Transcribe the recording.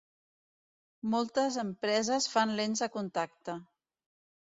Moltes empreses fan lents de contacte.